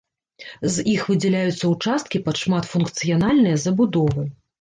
З іх выдзяляюцца ўчасткі пад шматфункцыянальныя забудовы.